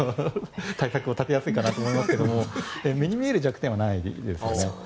対策を立てやすいかなと思いますけど目に見える弱点はないですね。